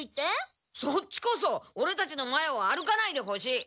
そっちこそオレたちの前を歩かないでほしい。